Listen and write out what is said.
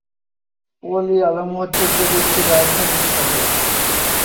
পোল-ই আলম হচ্ছে প্রদেশটির রাজধানী শহর।